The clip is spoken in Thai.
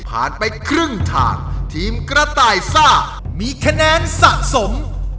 ไปครึ่งทางทีมกระต่ายซ่ามีคะแนนสะสม